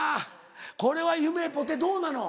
これはゆめぽてどうなの？